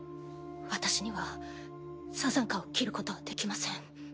私にはサザンカを斬ることはできません。